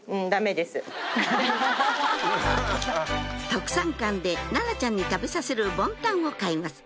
特産館で奈々ちゃんに食べさせるボンタンを買います